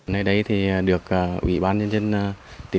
ngày đây được ủy ban nhân dân tỉnh quảng trị